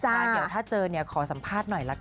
เดี๋ยวถ้าเจอเนี่ยขอสัมภาษณ์หน่อยละกัน